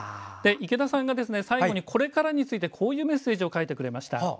池田さんがこれからについてメッセージを書いてくれました。